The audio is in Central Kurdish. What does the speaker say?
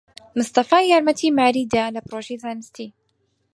مستەفا یارمەتیی ماریی دا لە پرۆژەی زانستی.